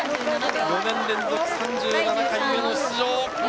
４年連続３７回目の出場。